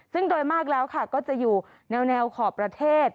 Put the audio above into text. ซึ่งโดยมากแล้วค่ะก็จะอยู่แนวขอบประเทศ